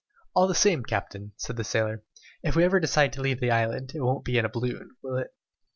"All the same, captain," said the sailor, "if we ever decide to leave the island, it won't be in a balloon, will it?